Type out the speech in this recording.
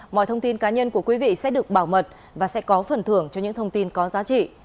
mọi thông tin cá nhân của quý vị sẽ được bảo mật và sẽ có phần thưởng cho những thông tin có giá trị